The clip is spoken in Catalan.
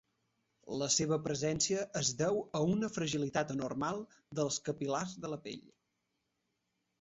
La seva presència es deu a una fragilitat anormal dels capil·lars de la pell.